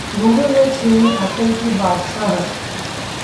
Google ने छीनी Apple की बादशाहत